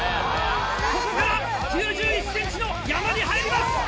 ここから９１ｃｍの山に入ります。